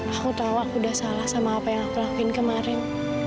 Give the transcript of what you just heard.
aku tahu aku udah salah sama apa yang aku lakuin kemarin